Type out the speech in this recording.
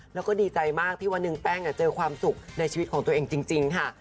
แล้วก็ดีใจมากที่วันหนึ่งแป้งเจอความสุขในชีวิตของตัวเองจริงค่ะ